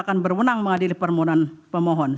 akan berwenang mengadili permohonan pemohon